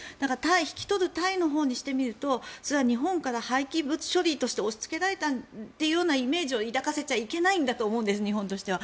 引き取るタイにしてみるとそれは日本から廃棄物処理として押しつけられたというイメージを抱かせちゃいけないんだと思うんです、日本としては。